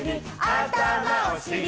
あたまおしり